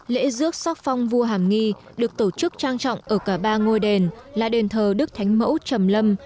lễ rước sắc phong vua hàm nghi được tổ chức trang trọng ở cả ba ngôi đền là đền thờ đức thánh mẫu chầm lâm